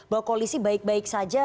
bahwa koalisi baik baik saja